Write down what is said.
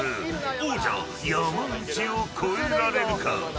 王者、山内を超えられるのか。